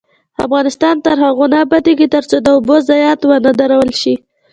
افغانستان تر هغو نه ابادیږي، ترڅو د اوبو ضایعات ونه درول شي.